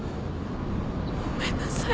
ごめんなさい。